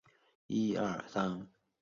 建沟石佛群的历史年代为金至明。